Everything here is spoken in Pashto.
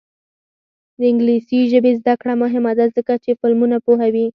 د انګلیسي ژبې زده کړه مهمه ده ځکه چې فلمونه پوهوي.